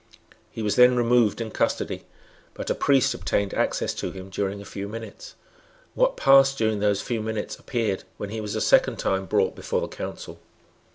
He was then removed in custody; but a priest obtained access to him during a few minutes. What passed during those few minutes appeared when he was a second time brought before the Council.